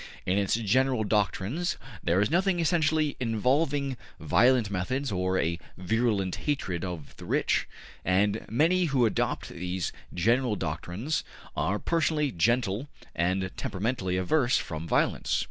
In its general doctrines there is nothing essentially involving violent methods or a virulent hatred of the rich, and many who adopt these general doctrines are personally gentle and temperamentally averse from violence.